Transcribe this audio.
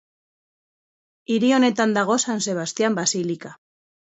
Hiri honetan dago San Sebastian basilika.